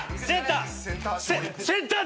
センター！